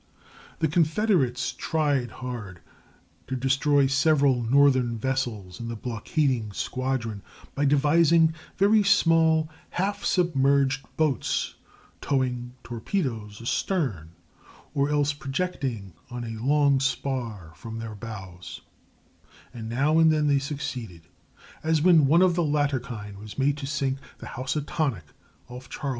The Confederates tried hard to destroy several Northern vessels in the blockading squadron by devising very small, half submerged boats, towing torpedoes astern, or else projecting on a long spar from their bows; and now and then they succeeded, as when one of the latter kind was made to sink the Housatonic off Charleston.